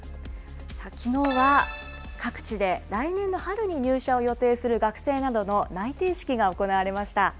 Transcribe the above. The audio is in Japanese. きのうは各地で、来年の春に入社を予定する学生などの内定式が行われました。